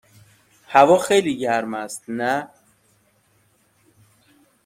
هوا خیلی گرم است، نه؟